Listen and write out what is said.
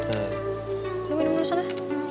aduh minum minum disana